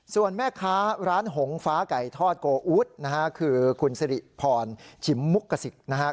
ส่วนแม่ค้าร้านหงฟ้าไก่ทอดโกอุ๊ดนะฮะคือคุณสิริพรฉิมมุกกระสิกนะครับ